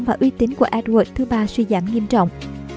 và uy tín của edward iii suy giảm nghiêm trọng